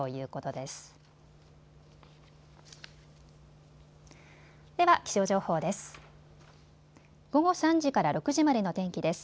では気象情報です。